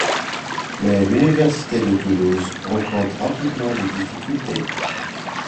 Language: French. Mais l'université de Toulouse rencontre rapidement des difficultés.